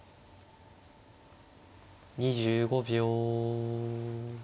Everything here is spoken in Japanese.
２５秒。